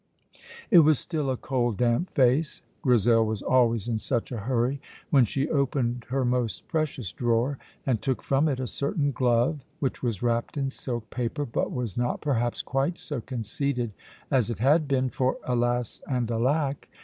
It was still a cold, damp face (Grizel was always in such a hurry) when she opened her most precious drawer and took from it a certain glove which was wrapped in silk paper, but was not perhaps quite so conceited as it had been, for, alas and alack!